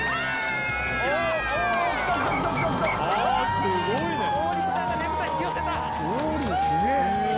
すごいよ。